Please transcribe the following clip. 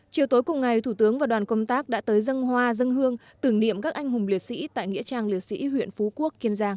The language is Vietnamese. chiều tối cùng ngày thủ tướng và đoàn công tác đã tới dân hoa dân hương tưởng niệm các anh hùng liệt sĩ tại nghĩa trang liệt sĩ huyện phú quốc kiên giang